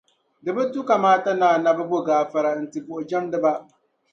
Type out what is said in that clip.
Di bi tu kamaata ni Annabi bo gaafara n-ti buɣujɛmdiba.